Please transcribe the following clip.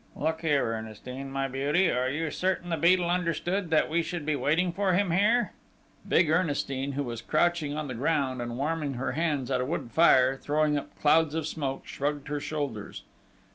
"Look here, Ernestine, my beauty, are you certain the Beadle understood that we should be waiting for him here?" Big Ernestine, who was crouching on the ground and warming her hands at a wood fire, throwing up clouds of smoke, shrugged her shoulders.